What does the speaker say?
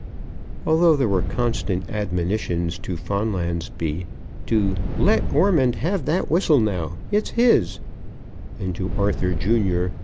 Although there were constant admonitions to Fonlansbee to "Let Ormond have that whistle now; it's his," and to Arthur, Jr.